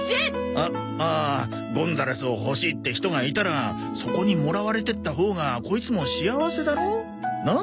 あああゴンザレスを欲しいって人がいたらそこにもらわれてったほうがコイツも幸せだろう？なあ？